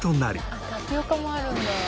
あっタピオカもあるんだ。